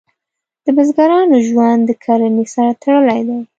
د بزګرانو ژوند د کرنې سره تړلی دی.